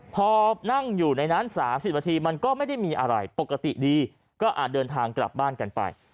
พอนั่งอยู่ในนั้น๓๐นาทีมันก็ไม่ได้มีอะไรปกติดีก็อาจเดินทางกลับบ้านกันไป